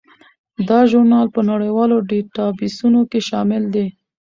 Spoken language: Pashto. دا ژورنال په نړیوالو ډیټابیسونو کې شامل دی.